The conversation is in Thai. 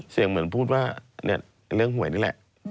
เสียงเหมือนพูดว่าเรื่องหวยนี่แหละ